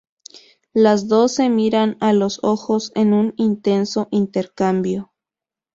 Los dos se miran a los ojos, en un intenso intercambio.